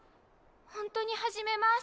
ほんとに始めます。